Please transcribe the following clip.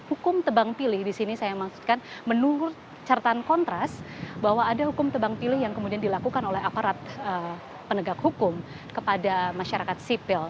hukum tebang pilih di sini saya maksudkan menurut catatan kontras bahwa ada hukum tebang pilih yang kemudian dilakukan oleh aparat penegak hukum kepada masyarakat sipil